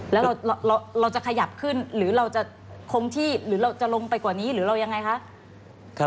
แล้วเราจะขยับขึ้นหรือเราจะคงที่หรือเราจะลงไปกว่านี้หรือเรายังไงคะ